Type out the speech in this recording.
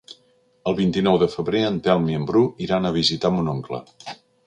El vint-i-nou de febrer en Telm i en Bru iran a visitar mon oncle.